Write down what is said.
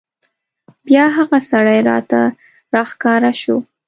بیا هغه سړی راته راښکاره شو.